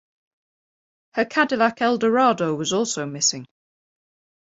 Her Cadillac Eldorado was also missing.